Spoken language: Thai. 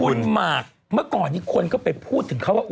คุณหมากเมื่อก่อนนี้คนก็ไปพูดถึงเขาว่า